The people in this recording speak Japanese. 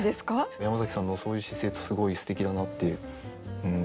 山崎さんのそういう姿勢ってすごいすてきだなって思いますね。